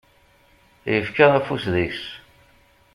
Yefka afus deg-s.